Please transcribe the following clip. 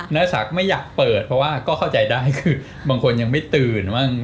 สักไม่อยากเปิดเพราะว่าก็เข้าใจได้คือบางคนยังไม่ตื่นบ้าง